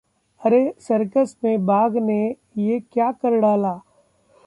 अरे... सर्कस में बाघ ने ये क्या कर डाला